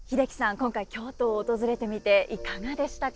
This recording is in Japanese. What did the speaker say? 今回京都を訪れてみていかがでしたか？